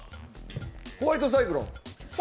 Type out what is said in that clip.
ホワイトサイクロン。